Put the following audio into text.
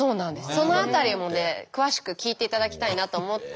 その辺りもね詳しく聞いていただきたいなと思って。